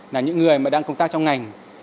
là những người đang công tác trong ngành